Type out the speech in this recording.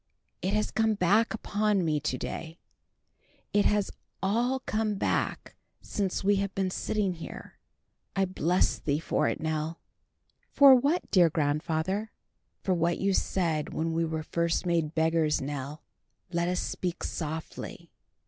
"It has come back upon me to day; it has all come back since we have been sitting here. I bless thee for it, Nell." "For what, dear grandfather?" "For what you said when we were first made beggars, Nell. Let us speak softly.